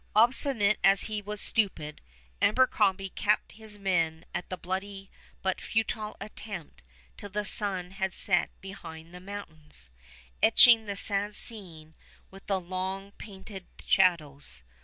Obstinate as he was stupid, Abercrombie kept his men at the bloody but futile attempt till the sun had set behind the mountains, etching the sad scene with the long painted shadows.